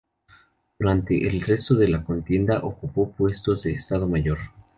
Durante el resto de la contienda ocupó puestos de Estado Mayor.